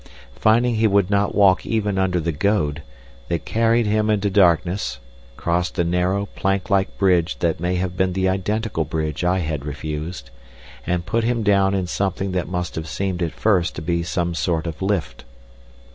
Finding he would not walk even under the goad, they carried him into darkness, crossed a narrow, plank like bridge that may have been the identical bridge I had refused, and put him down in something that must have seemed at first to be some sort of lift.